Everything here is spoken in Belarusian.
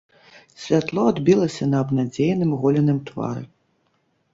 Святло адбілася на абнадзееным голеным твары.